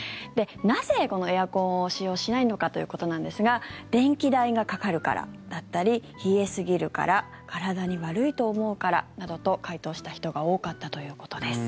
なぜエアコンを使用しないのかということなんですが電気代がかかるからだったり冷えすぎるから体に悪いと思うからなどと回答した人が多かったということです。